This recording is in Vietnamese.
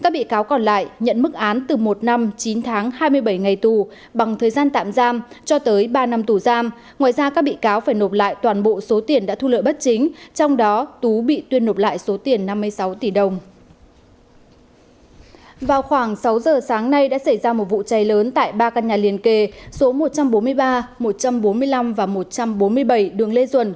vào khoảng sáu giờ sáng nay đã xảy ra một vụ cháy lớn tại ba căn nhà liên kề số một trăm bốn mươi ba một trăm bốn mươi năm và một trăm bốn mươi bảy đường lê duẩn